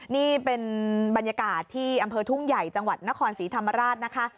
นี่เป็นบรรยากาศที่อำเภอทุ่งใหญ่จังหวัดนครศรีธรรมราชนะคะ